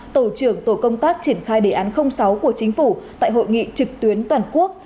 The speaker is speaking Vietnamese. tổ trưởng tổ công tác triển khai đề án sáu của chính phủ tại hội nghị trực tuyến toàn quốc